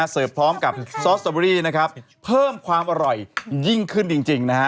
เสิร์ฟพร้อมกับซอสตอเบอรี่นะครับเพิ่มความอร่อยยิ่งขึ้นจริงนะฮะ